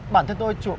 bản thân tôi